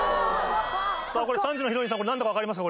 さぁ３時のヒロインさんこれ何だか分かりますか？